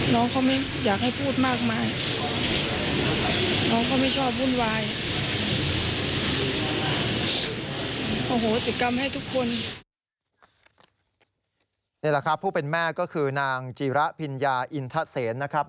นี่แหละครับผู้เป็นแม่ก็คือนางจีระพิญญาอินทะเสนนะครับ